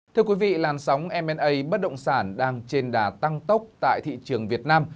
thưa quý vị làn sóng m a bất động sản đang trên đà tăng tốc tại thị trường việt nam